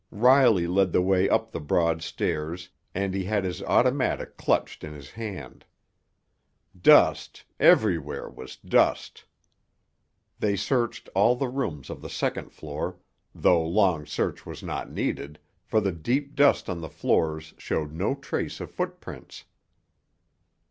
Riley led the way up the broad stairs and he had his automatic clutched in his hand. Dust—everywhere was dust! They searched all the rooms of the second floor, though long search was not needed, for the deep dust on the floors showed no trace of footprints.